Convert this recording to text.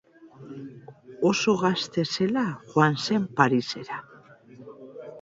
Oso gazte zela joan zen Parisera.